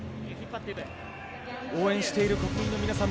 応援している国民の皆さん